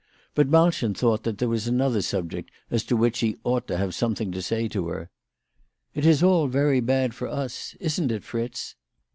But Malchen thought that there was another subject as to which he ought to have something to say to her. "It is all very bad for us; isn't it, Fritz